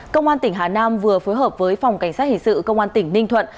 công an tỉnh hà nam vừa phối hợp với phòng cảnh sát hình sự công an tỉnh ninh thuận